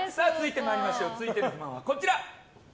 続いての不満はこちら。